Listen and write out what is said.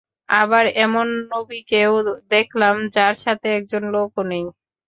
আবার এমন নবীকেও দেখলাম যার সাথে একজন লোকও নেই।